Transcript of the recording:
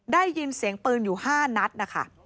ได้ยินเสียงปืนอยู่๕นัดนะคะ